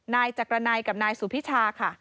นายจักรนัยกับนายสุพิชาค่ะ